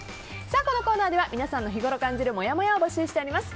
このコーナーでは皆さんの日ごろ感じるもやもやを募集しています。